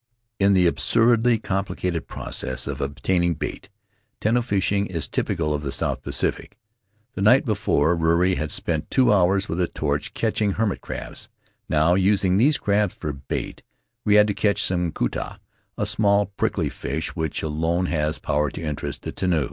"In the absurdly complicated process of obtaining bait, tenu fishing is typical of the South Pacific. The night before, Ruri had spent two hours with a torch, catching hermit crabs; now, using these crabs for bait, we had to catch some ku ta — a small, prickly fish which alone has power to interest the tenu.